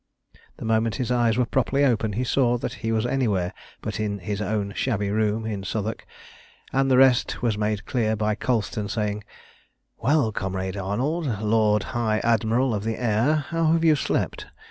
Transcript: The moment his eyes were properly open he saw that he was anywhere but in his own shabby room in Southwark, and the rest was made clear by Colston saying "Well, comrade Arnold, Lord High Admiral of the Air, how have you slept?